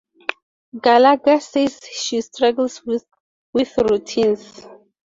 Gallagher says she struggles with routines.